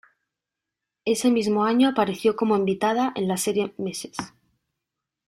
Ese mismo año apareció como invitada en la serie "Mrs.